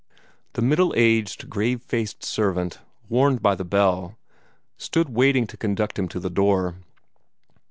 The middle aged, grave faced servant, warned by the bell, stood waiting to conduct him to the door.